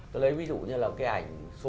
tôi lấy ví dụ như là cái ảnh số bảy